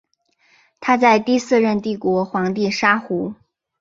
他在第四任帝国皇帝沙胡。